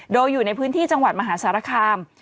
โดยอยู่ในพื้นที่จังหวัดมหาสารคาม